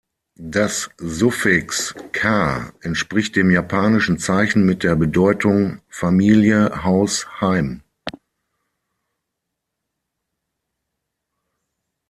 Das Suffix "-ka" entspricht dem japanischen Zeichen mit der Bedeutung „Familie, Haus, Heim“.